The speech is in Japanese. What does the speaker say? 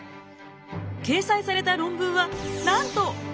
掲載された論文はなんと５１本。